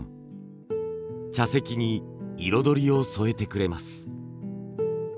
茶席に彩りを添えてくれます。